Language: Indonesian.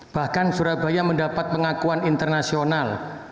bahkan surabaya mendapat pengakuan internasional